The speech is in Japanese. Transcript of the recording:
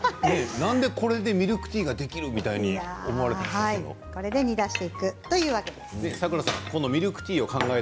なんでこれでミルクティーができるとこれで煮出していくということです。